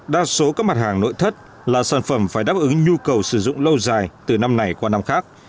đa số các mặt hàng nội thất là sản phẩm phải đáp ứng nhu cầu sử dụng lâu dài từ năm này qua năm khác